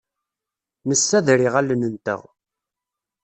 Nessader iɣallen-nteɣ.